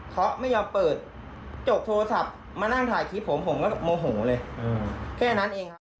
เขาไม่ยอมเปิดจกโทรศัพท์มานั่งถ่ายคลิปผมผมก็โมโหเลยแค่นั้นเองครับ